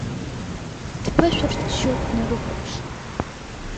Дԥышәырччо днарыхәаԥшит.